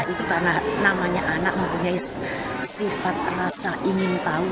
itu karena namanya anak mempunyai sifat rasa ingin tahu